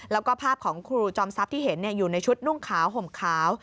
แล้วก็ภาพของครูจอมทรัพย์ที่เห็นอยู่ในชุดนุ่งขาวห่มขาว